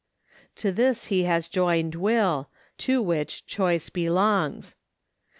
To this he has joined will, to which choice belongs.